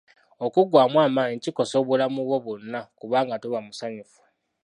Okuggwamu amaanyi kikosa obulamu bwo bwonna kubanga toba musanyufu